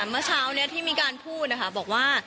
เมื่อเช้าที่มีการพูดบอกว่า